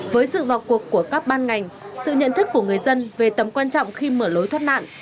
với sự vào cuộc của các ban ngành sự nhận thức của người dân về tầm quan trọng khi mở lối thoát nạn